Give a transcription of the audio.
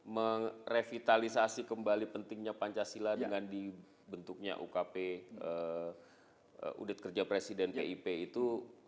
merevitalisasi kembali pentingnya pancasila dengan dibentuknya ukp udit kerja presiden pip itu